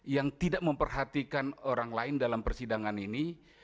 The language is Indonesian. yang tidak memperhatikan orang lain dalam persidangan ini